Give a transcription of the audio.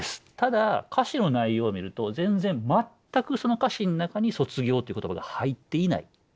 ただ歌詞の内容を見ると全然全くその歌詞の中に「卒業」って言葉が入っていない。